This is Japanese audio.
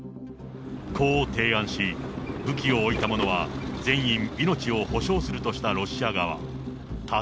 こう提案し、武器を置いた者は全員命を保証するとしたロシア側。